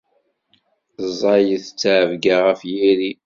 Ẓẓayet ttεebga ɣef yiri.